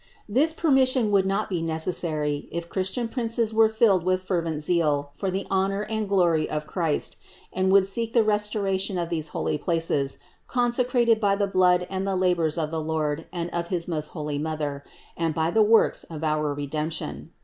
This permission would not be necessary, if Christian princes were filled with fervent zeal for the honor and glory of Christ and would seek the restoration of these holy places, con secrated by the blood and the labors of the Lord and of his most holy Mother, and by the works of our Redemp tion.